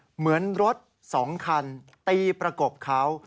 เหมือนรถ๒คันตีประกบเขา